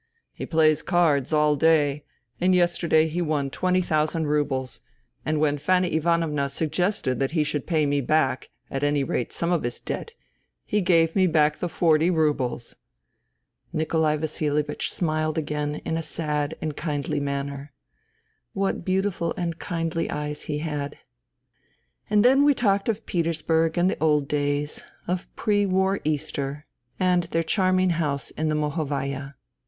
He plays cards all day, and yesterday he won twenty thousand roubles ; and when Fanny Ivanovna suggested that he should pay me back, at any rate some of his debt, he gave me back the forty roubles !" Nikolai Vasilievich smiled again in a sad and kindly manner. What beautiful and kindly eyes he had. ... And then we talked of Petersburg and the old days, of pre war Easter, and their charming house in the Mohovaya.